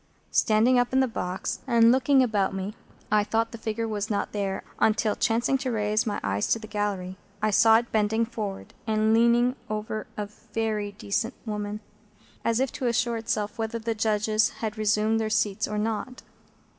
Standing up in the box and looking about me, I thought the figure was not there, until, chancing to raise my eyes to the gallery, I saw it bending forward, and leaning over a very decent woman, as if to assure itself whether the Judges had resumed their seats or not.